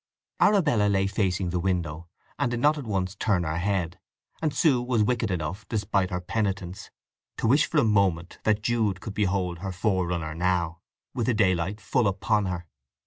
Arabella lay facing the window, and did not at once turn her head: and Sue was wicked enough, despite her penitence, to wish for a moment that Jude could behold her forerunner now, with the daylight full upon her.